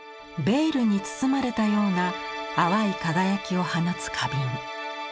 ベールに包まれたような淡い輝きを放つ花瓶。